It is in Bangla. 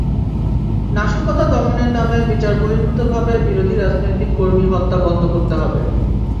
নাশকতা দমনের নামে বিচারবহির্ভূতভাবে বিরোধী রাজনৈতিক কর্মী হত্যা বন্ধ করতে হবে।